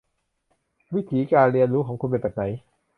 วิถีการเรียนรู้ของคุณเป็นแบบไหน